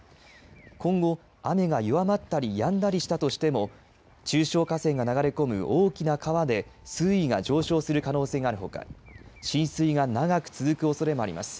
今後、雨が弱まったりやんだりしたとしても中小河川が流れ込む大きな川で水位が上昇する可能性があるほか浸水が長く続くおそれもあります。